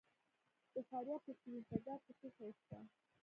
د فاریاب په شیرین تګاب کې څه شی شته؟